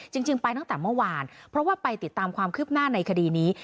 จริงไปตั้งแต่เมื่อวานเพราะว่าไปติดตามความคืบหน้าในคดีนี้